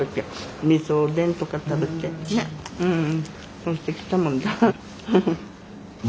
そうしてきたもんだ。